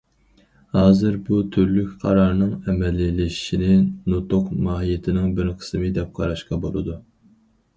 ھازىر بۇ تۈرلۈك قارارنىڭ ئەمەلىيلىشىشىنى نۇتۇق ماھىيىتىنىڭ بىر قىسمى دەپ قاراشقا بولىدۇ.